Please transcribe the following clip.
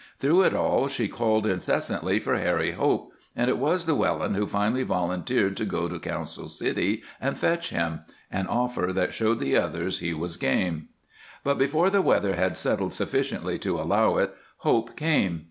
Through it all she called incessantly for Harry Hope, and it was Llewellyn who finally volunteered to go to Council City and fetch him an offer that showed the others he was game. But before the weather had settled sufficiently to allow it, Hope came.